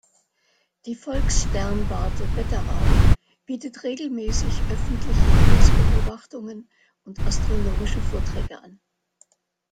Die Volkssternwarte Wetterau bietet regelmäßig öffentliche Himmelsbeobachtungen und astronomische Vorträge an.